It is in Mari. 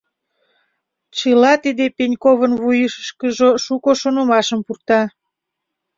Чыла тиде Пеньковын вуйышкыжо шуко шонымашым пурта.